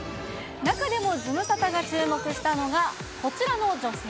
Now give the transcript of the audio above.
中でもズムサタが注目したのが、こちらの女性。